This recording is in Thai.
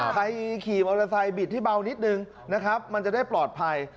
ใครขี่อุตส่ายบิดที่เบานิดหนึ่งมันจะได้ปลอดภัย